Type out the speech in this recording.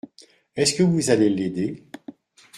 Est-ce que vous allez l’aider ?